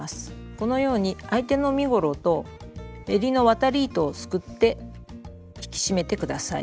このように相手の身ごろとえりの渡り糸をすくって引き締めて下さい。